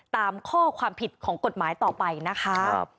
ตามข้อความผิดของกฎหมายต่อไปนะคะ